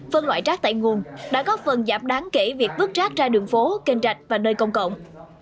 phân loại rác tại nguồn đã góp phần giảm đáng kể việc bước rác ra đường phố kênh rạch và nơi công cộng